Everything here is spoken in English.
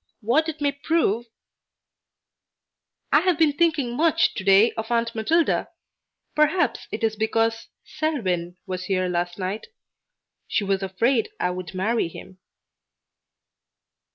What it may prove I have been thinking much to day of Aunt Matilda. Perhaps it is because Selwyn was here last night. She was afraid I would marry him.